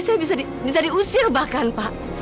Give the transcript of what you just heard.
saya bisa diusir bahkan pak